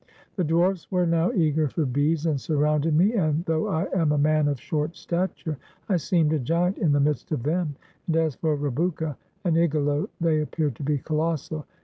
The dwarfs were now eager for beads, and surrounded me, and, though I am a man of short stature, I seemed a giant in the midst of them; and as for Rebouka and Igalo, they appeared to be colossal.